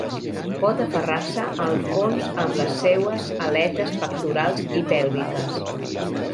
Pot aferrar-se al fons amb les seues aletes pectorals i pèlviques.